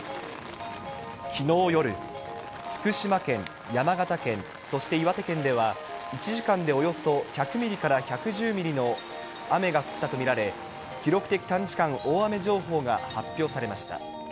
きのう夜、福島県、山形県、そして岩手県では、１時間でおよそ１００ミリから１１０ミリの雨が降ったと見られ、記録的短時間大雨情報が発表されました。